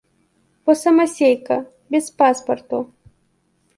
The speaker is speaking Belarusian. Бо самасейка, без паспарту.